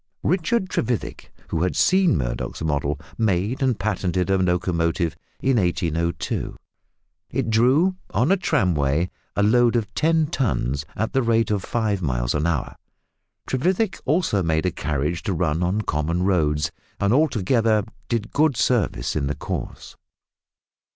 Richard Trevethick, who had seen Murdoch's model, made and patented a locomotive in 1802. It drew on a tramway a load of ten tons at the rate of five miles an hour. Trevethick also made a carriage to run on common roads, and altogether did good service in the cause.